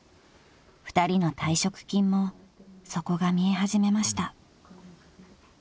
［２人の退職金も底が見え始めました］